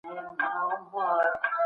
د اوبو په واسطه وجود تازه پاته کیږي.